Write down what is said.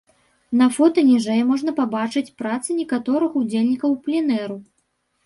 На фота ніжэй можна пабачыць працы некаторых удзельнікаў пленэру.